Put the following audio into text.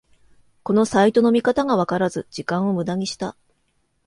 このサイトの見方がわからず時間をムダにした